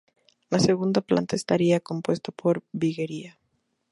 La segunda planta estaría compuesta por viguería.